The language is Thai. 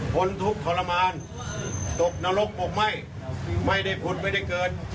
ทนทุกข์ทรมานตกนรกตกไหม้ไม่ได้ผลไม่ได้เกิด